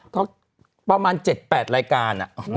ก็ประมาณ๗๘รายการ